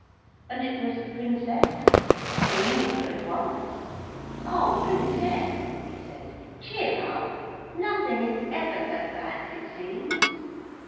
And it was the Princess. He knew her at once. 'Oh, Princess,' he said, 'cheer up! Nothing is ever so bad as it seems.'